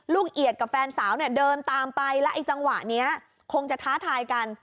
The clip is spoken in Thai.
ลูกเอียดกับแฟนสาวเดินตามไปแล้วจังหวะนี้คงจะท้าทายกัน